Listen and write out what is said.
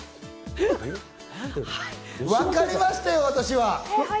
わかりましたよ、私は。